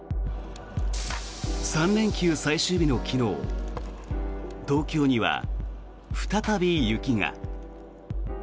３連休最終日の昨日、東京には再び雪が。